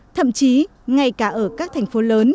thậm chí ngay cả ở các thành phố lớn